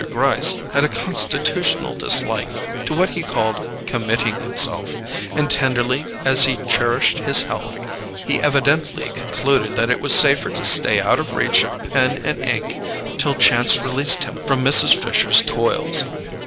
Gryce had a constitutional dislike to what he called "committing himself," and tenderly as he cherished his health, he evidently concluded that it was safer to stay out of reach of pen and ink till chance released him from Mrs. Fisher's toils.